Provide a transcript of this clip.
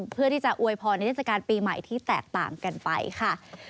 เพื่อที่จะอวยพรในเทศกาลปีใหม่ที่แตกต่างกันไปค่ะ